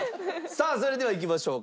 さあそれではいきましょうか。